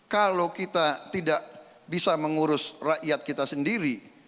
kalau kita tidak bisa mengurus rakyat kita sendiri